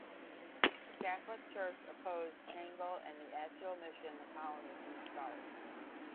The Catholic Church opposed Nangle and the Achill Mission Colony from the start.